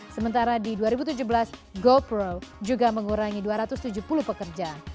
sementara di dua ribu tujuh belas gopro juga mengurangi dua ratus tujuh puluh pekerjaan